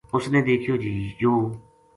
اس نے دیکھیو جی یوہ